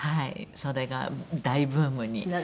それが大ブームに。